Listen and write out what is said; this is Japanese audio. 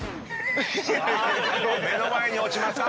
あーっと目の前に落ちました。